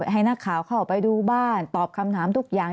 ให้นักข่าวเข้าไปดูบ้านตอบคำถามทุกอย่าง